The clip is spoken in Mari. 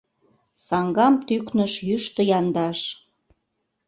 Саҥгам тӱкныш йӱштӧ яндаш.